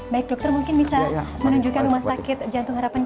baik dokter mungkin bisa menunjukkan rumah sakit jantung harapan